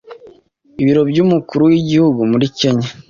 Ibiro by’Umukuru w’Igihugu muri Kenya